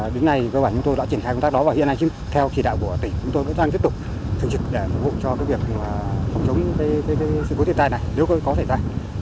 đến nay chúng tôi đã triển khai công tác đó và hiện nay theo chỉ đạo của tỉnh chúng tôi vẫn đang tiếp tục thường trực để phục vụ cho việc phòng chống sự cố thiệt tài này nếu có thể ra